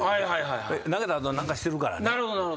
投げた後何かしてるからね。